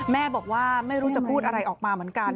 แม่บอกว่าไม่รู้จะพูดอะไรออกมาเหมือนกัน